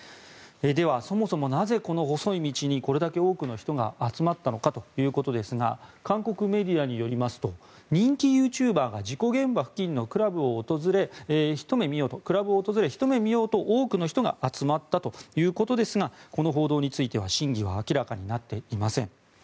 では、そもそもなぜこの細い道にこれだけ多くの人が集まったのかということですが韓国メディアによりますと人気ユーチューバーが事故現場付近のクラブを訪れひと目見ようと多くの人が集まったということですがこの報道については真偽は明らかになっていません。